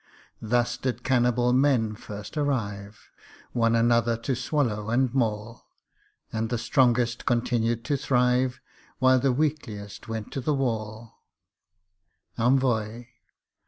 Thus did cannibal men first arrive, One another to swallow and maul ; And the strongest continued to thrive, While the weakliest went to the wall. ) ENVOY.